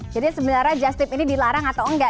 jadi sebenarnya just tip ini dilarang atau enggak